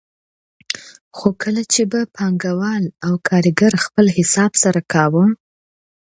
خو کله چې به پانګوال او کارګر خپل حساب سره کاوه